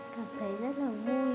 cảm thấy rất là vui